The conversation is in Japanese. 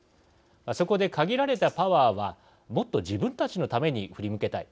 そこで限られたパワーはもっと自分たちのために振り向けたい。